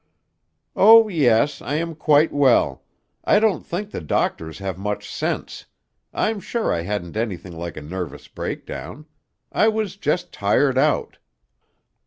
"Oh, yes. I am quite well. I don't think the doctors have much sense. I'm sure I hadn't anything like a nervous breakdown. I was just tired out."